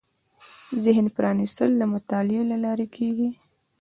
ذهن پرانېستل د مطالعې له لارې کېږي